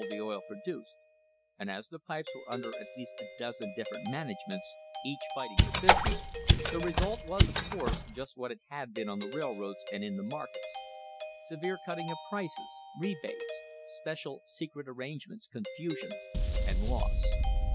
the oil produced, and as the pipes were under at least a dozeni different managements, each fighting for business, the result! was, of course, just what it had been on the railroads and: in the markets — severe cutting of prices, rebates, special se J cret arrangements, confusion and loss.